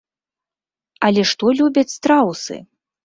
Але што любяць страусы?